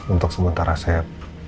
untuk sementara saya